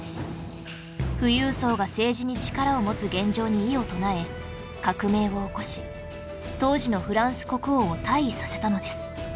富裕層が政治に力を持つ現状に異を唱え革命を起こし当時のフランス国王を退位させたのです